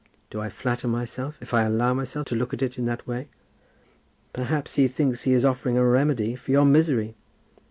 Do I flatter myself if I allow myself to look at it in that way?" "Perhaps he thinks he is offering a remedy for your misery."